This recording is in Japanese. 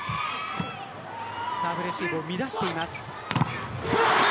サーブレシーブを乱しています。